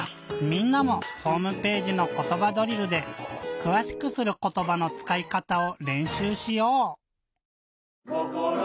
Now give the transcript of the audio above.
みんなもホームページの「ことばドリル」で「くわしくすることば」のつかいかたをれんしゅうしよう！